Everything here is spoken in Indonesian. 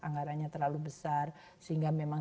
anggarannya terlalu besar sehingga memang